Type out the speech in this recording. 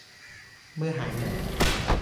เมื่อหายเหนื่อย